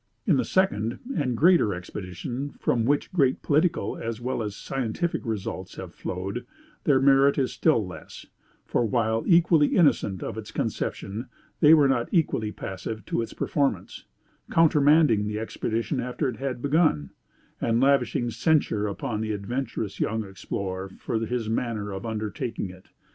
In the second, and greater expedition, from which great political as well as scientific results have flowed, their merit is still less; for, while equally innocent of its conception, they were not equally passive to its performance countermanding the expedition after it had begun and lavishing censure upon the adventurous young explorer for his manner of undertaking it.